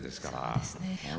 そうですね。